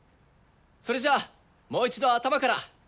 それじゃあもう一度頭から。